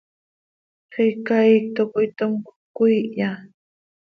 ¿Xiica iicto coi tomcoj cöquiihya?